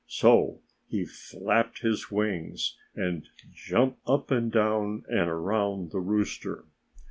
So he flapped his wings and jumped up and down and around the rooster.